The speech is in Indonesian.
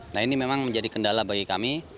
nah ini memang menjadi kendala bagi kami